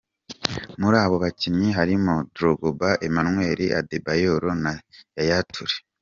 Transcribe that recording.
Muri abo bakinnyi harimo: Drogba, Emmanuel Adebayor na yaya Touré.